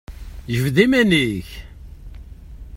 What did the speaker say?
Jbed iman-ik!